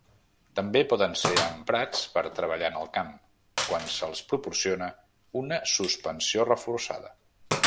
També poden ser emprats per treballar en el camp, quan se'ls proporciona una suspensió reforçada.